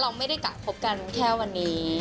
เราไม่ได้กะคบกันแค่วันนี้